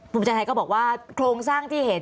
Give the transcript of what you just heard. ภูมิใจไทยก็บอกว่าโครงสร้างที่เห็น